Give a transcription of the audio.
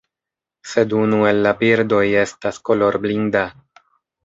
Sed unu el la birdoj estas kolorblinda.